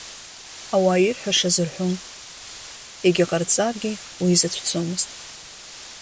Ауаа ирҳәашаз рҳәон, егьаҟарҵаргьы уи изацәцомызт.